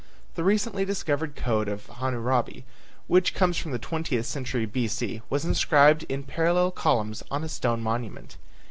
The recently discovered code of Hammurabi, which comes from the twentieth century B.C., was inscribed in parallel columns on a stone monument.